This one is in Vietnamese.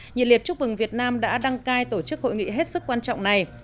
nhiệt liệt chúc mừng việt nam đã đăng cai tổ chức hội nghị hết sức quan trọng này